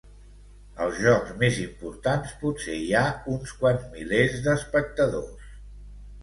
Als jocs més importants potser hi ha uns quants milers d'espectadors.